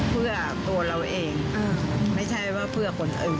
เพื่อตัวเราเองไม่ใช่ว่าเพื่อคนอื่น